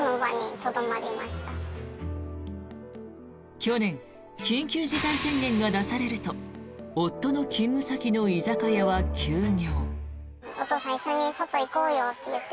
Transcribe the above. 去年、緊急事態宣言が出されると夫の勤務先の居酒屋は休業。